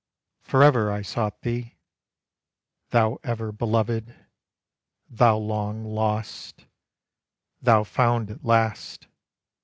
Forever I sought thee, Thou ever belovèd, Thou long lost, Thou found at last!